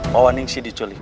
bahwa nyingsi diculik